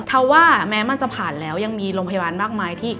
ถ้าว่าแม้มันจะผ่านแล้วยังมีโรงพยาบาลมากมายที่